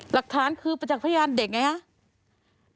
หลักฐานคือประจักษ์พยานเด็กไงคะ